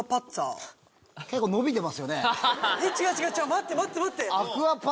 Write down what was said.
待って待って。